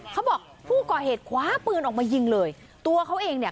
เขาบอกผู้ก่อเหตุคว้าปืนออกมายิงเลยตัวเขาเองเนี่ย